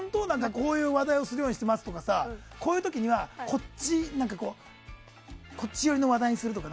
こういう話題をするようにしていますとかこういう時にはこっち寄りの話題にするとか。